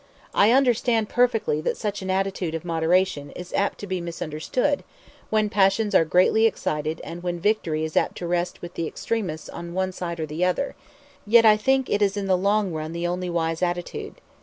I understand perfectly that such an attitude of moderation is apt to be misunderstood when passions are greatly excited and when victory is apt to rest with the extremists on one side or the other; yet I think it is in the long run the only wise attitude.